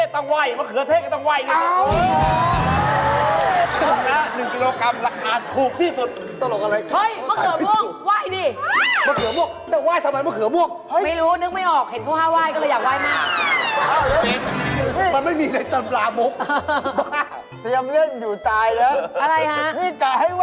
พระเทศต้องไหว้มะเขือเทศต้องไหว้